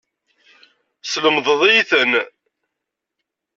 Teslemdeḍ-iyi-ten.